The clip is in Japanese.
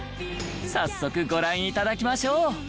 早速ご覧頂きましょう。